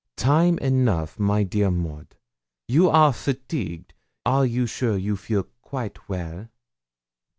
'Time enough, my dear Maud; you are fatigued; are you sure you feel quite well?'